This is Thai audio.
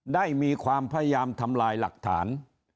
ได้มีความพยายามทำลายหลักฐาน